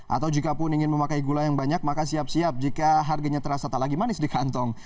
atau jikapun ingin memakai gula yang banyak maka siap siap jika harganya terasa tak lagi manis di kantong